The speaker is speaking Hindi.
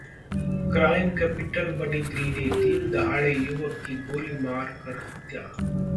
क्राइम कैपिटल बनी दिल्ली, दिनदहाड़े युवक की गोली मारकर हत्या